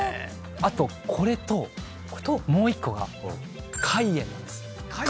あとこれともう１個が海塩なんです。